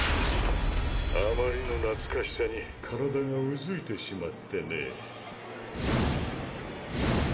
あまりの懐かしさに体が疼いてしまってね。